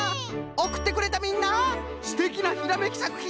おくってくれたみんなすてきなひらめきさくひんを。